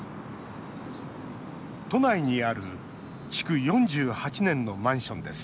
都内にある築４８年のマンションです。